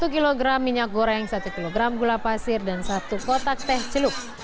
satu kg minyak goreng satu kg gula pasir dan satu kotak teh celup